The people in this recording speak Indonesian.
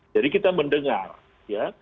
jadi kita mendengar ya